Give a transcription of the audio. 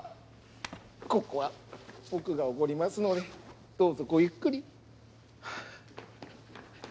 ここは僕がおごりますのでどうぞごゆっくり。